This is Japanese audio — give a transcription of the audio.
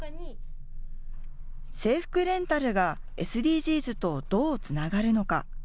制服レンタルがＳＤＧｓとどうつながるのか。